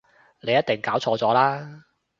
你一定搞錯咗喇